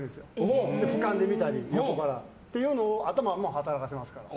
俯瞰で見たり、横からっていうのを頭を働かせますから。